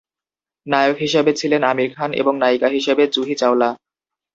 নায়ক হিসেবে ছিলেন আমির খান এবং নায়িকা ছিলেন জুহি চাওলা।